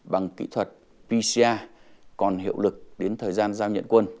bằng kỹ thuật pcr còn hiệu lực đến thời gian giao nhận quân